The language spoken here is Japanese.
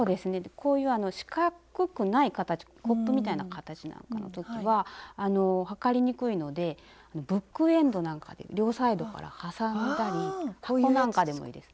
こういう四角くない形コップみたいな形なんかの時は測りにくいのでブックエンドなんかで両サイドから挟んだり箱なんかでもいいです。